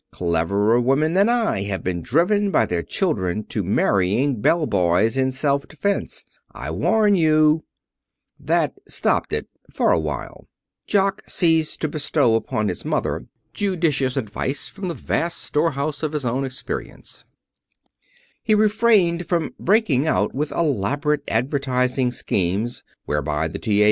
Cleverer women than I have been driven by their children to marrying bell boys in self defense. I warn you!" [Illustration: "'Good Lord, Mother! Of course you don't mean it, but '"] That stopped it for a while. Jock ceased to bestow upon his mother judicious advice from the vast storehouse of his own experience. He refrained from breaking out with elaborate advertising schemes whereby the T.A.